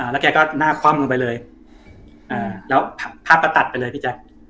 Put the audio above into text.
แล้วแกก็หน้าคว่ำลงไปเลยแล้วภาพก็ตัดไปเลยพี่แจ๊ค